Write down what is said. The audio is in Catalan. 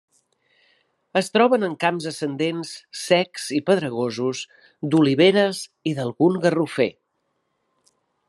Es troben en camps ascendents, secs i pedregosos, d'oliveres i d'algun garrofer.